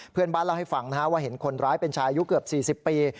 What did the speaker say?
เพื่อนบ้านเล่าให้ฟังว่าเห็นคนร้ายเป็นชายอายุเกือบ๔๐ปี